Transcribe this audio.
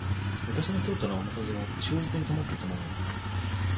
昔の京都のおもかげを忠実に保っていたものです